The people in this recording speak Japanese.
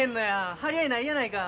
張り合いないやないか。